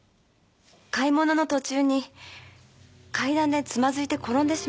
買い物の途中に階段でつまずいて転んでしまって。